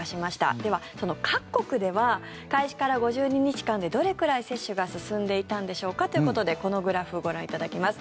では、各国では開始から５２日間でどれくらい接種が進んでいたんでしょうかということでこのグラフ、ご覧いただきます。